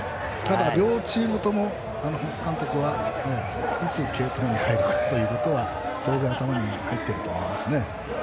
両チームとも監督はいつ継投に入るかということは当然頭に入っていると思います。